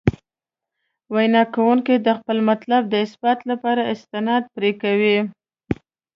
وینا کوونکي د خپل مطلب د اثبات لپاره استناد پرې کوي.